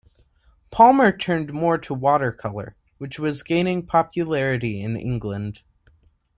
Palmer turned more to watercolour which was gaining popularity in England.